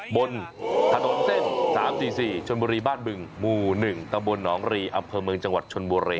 บนถนนเส้น๓๔๔ชนบุรีบ้านบึงหมู่๑ตำบลหนองรีอำเภอเมืองจังหวัดชนบุรี